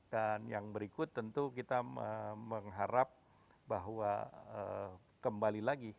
dan yang berikut tentu kita mengharap bahwa kembali lagi